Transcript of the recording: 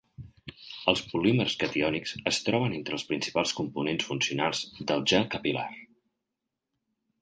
Els polímers catiònics es troben entre els principals components funcionals del gel capil·lar.